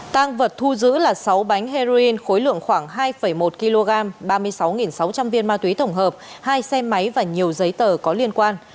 tăng vật thu giữ là sáu bánh heroin khối lượng khoảng hai một kg ba mươi sáu sáu trăm linh viên ma túy tổng hợp hai xe máy và nhiều giấy tờ có liên quan